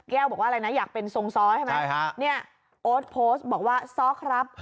บอกว่าอะไรนะอยากเป็นทรงซ้อใช่ไหมเนี่ยโอ๊ตโพสต์บอกว่าซ้อครับ